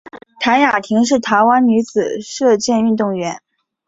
谭雅婷是台湾女子射箭运动员。